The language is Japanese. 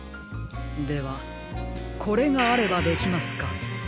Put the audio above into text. ではこれがあればできますか？